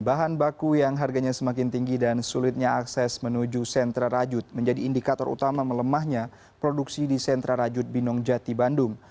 bahan baku yang harganya semakin tinggi dan sulitnya akses menuju sentra rajut menjadi indikator utama melemahnya produksi di sentra rajut binong jati bandung